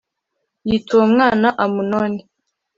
yita uwo mwana amunoni